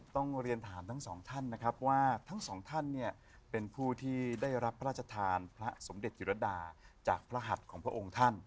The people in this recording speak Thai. ต้องเรียนถามทั้งสองท่านนะครับว่าทั้งสองท่านเนี่ยเป็นผู้ที่ได้รับพระราชทานพระสมเด็จจิรดาจากพระหัสของพระองค์ท่าน